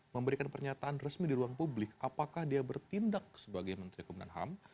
memberikan pernyataan resmi di ruang publik apakah dia bertindak sebagai menteri kebunan ham